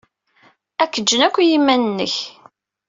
Ad k-ǧǧen akk i yiman-nnek.